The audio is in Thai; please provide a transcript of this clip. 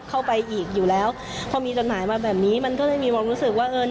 เข้าไปอีกอยู่แล้วพอมีจดหมายมาแบบนี้มันก็เลยมีความรู้สึกว่าเออ